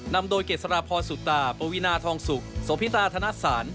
นำโดยเกษรพรสุตาปวีนาทองสุกโสพิตาธนสาร